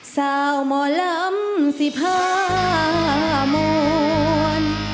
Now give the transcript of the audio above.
สาวหมอลำสิพามวล